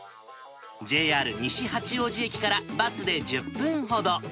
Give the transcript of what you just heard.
ＪＲ西八王子駅からバスで１０分ほど。